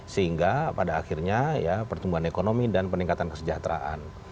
sehingga pada akhirnya ya pertumbuhan ekonomi dan peningkatan kesejahteraan